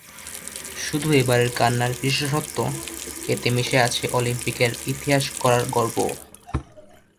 শুধু এবারের কান্নার বিশেষত্ব, এতে মিশে আছে অলিম্পিকের ইতিহাস গড়ার গর্বও।